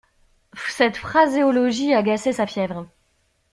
Cette phraséologie agaçait sa fièvre.